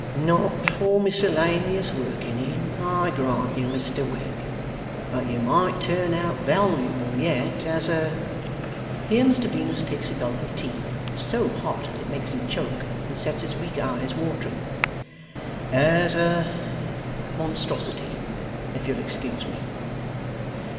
'Not for miscellaneous working in, I grant you, Mr Wegg; but you might turn out valuable yet, as a ' here Mr Venus takes a gulp of tea, so hot that it makes him choke, and sets his weak eyes watering; 'as a Monstrosity, if you'll excuse me.